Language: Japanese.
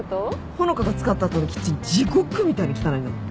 穂香が使った後のキッチン地獄みたいに汚いんだもん。